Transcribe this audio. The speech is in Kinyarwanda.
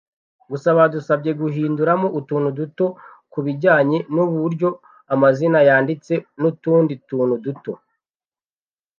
Gusa badusabye guhinduramo utuntu duto ku bijyanye n’uburyo amazina yanditse n’utundi tuntu duto ariko byo bayemeye”